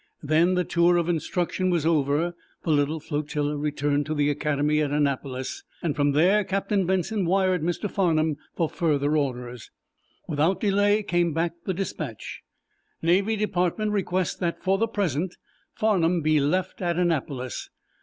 Then, the tour of instruction over, the little flotilla returned to the Academy at Annapolis. From there Captain Benson wired Mr. Farnum for further orders. Without delay came back the dispatch: "Navy Department requests that for present 'Farnum' be left at Annapolis.